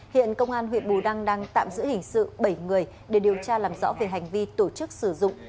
hiện công an huyện bù đăng đang tạm giữ hình sự bảy người để điều tra làm rõ về hành vi tổ chức sử dụng